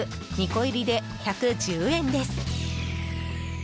２個入りで１１０円です。